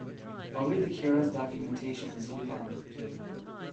I'll read the Keras documentation this weekend.